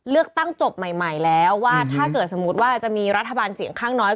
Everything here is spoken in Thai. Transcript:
เลือกตั้งจบใหม่แล้วว่าถ้าเกิดสมมุติว่าจะมีรัฐบาลเสียงข้างน้อย